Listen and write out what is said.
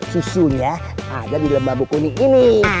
susunya ada di lembah bukuni ini